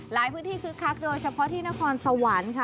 หลายพื้นที่คึกคักโดยเฉพาะที่นครสวรรค์ค่ะ